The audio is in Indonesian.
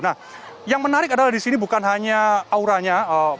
nah yang menarik adalah di sini bukan hanya auranya